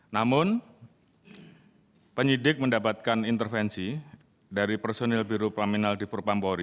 namun penyidik mendapatkan intervensi dari personil biro pelaminal di propampori